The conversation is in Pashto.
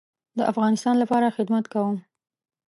د افغانستان لپاره خدمت کوم